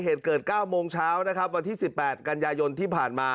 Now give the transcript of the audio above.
เหตุเกิด๙โมงเช้าวันที่๑๘กัญญาณยนต์ที่ผ่านมา